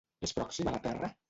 És pròxim a la Terra?